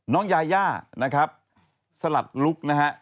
น้องยาย่านะครับสลัดลุ๊กนะครับ